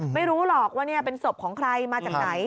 ไม่รู้หรอกว่านี่เป็นศพของใครมาจากไหน